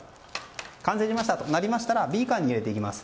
完成となりましたらビーカーに入れていきます。